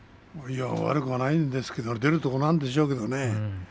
悪くはないんですけどね、出るところなんでしょうけどね。